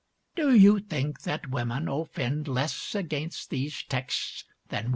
(10) Do you think that women offend less against these texts than we?"